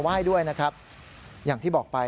ไหว้ด้วยนะครับอย่างที่บอกไป